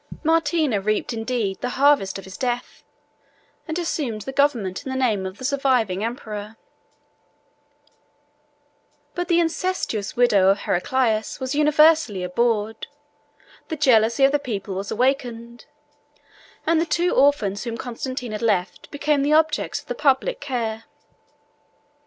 Martina reaped indeed the harvest of his death, and assumed the government in the name of the surviving emperor; but the incestuous widow of Heraclius was universally abhorred; the jealousy of the people was awakened, and the two orphans whom Constantine had left became the objects of the public care.